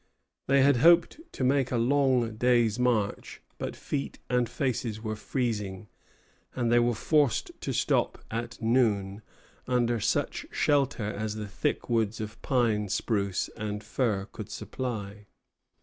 They had hoped to make a long day's march; but feet and faces were freezing, and they were forced to stop, at noon, under such shelter as the thick woods of pine, spruce, and fir could supply.